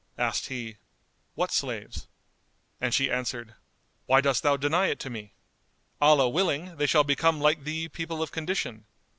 Asked he, "What slaves?" And she answered, "Why dost thou deny it to me? Allah willing, they shall become like thee people of condition."